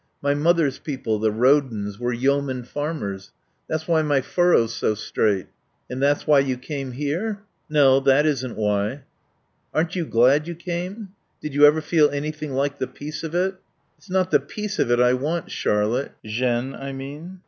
My mother's people, the Rodens, were yeoman farmers. That's why my furrow's so straight." "And that's why you came here?" "No. That isn't why." "Aren't you glad you came? Did you ever feel anything like the peace of it?" "It's not the peace of it I want, Charlotte, Jeanne, I mean.